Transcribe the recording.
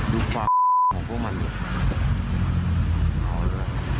ดูความของพวกมันเลย